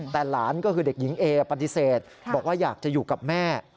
แต่หลานก็คือเด็กหญิงเอปฏิเสธบอกว่าอยากจะอยู่กับแม่